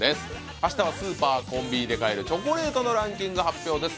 明日はスーパーコンビニで買えるチョコレートのランキング発表です